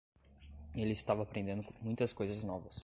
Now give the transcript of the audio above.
Ele estava aprendendo muitas coisas novas.